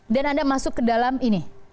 dan anda masuk ke dalam ini